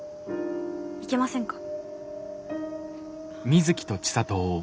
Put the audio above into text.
いけませんか？